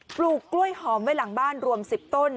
ปลูกกล้วยหอมไว้หลังบ้านรวม๑๐ต้น